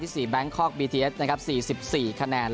ที่สี่แบงคอร์กบีทีเอส๔๔คะแนน